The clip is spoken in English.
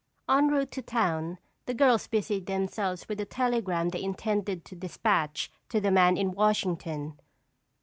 Enroute to town the girls busied themselves with the telegram they intended to dispatch to the man in Washington.